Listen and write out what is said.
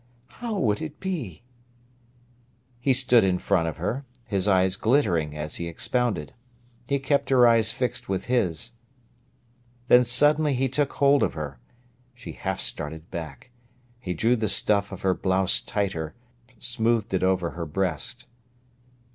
"How would it be?" He stood in front of her, his eyes glittering as he expounded. He kept her eyes fixed with his. Then suddenly he took hold of her. She half started back. He drew the stuff of her blouse tighter, smoothed it over her breast.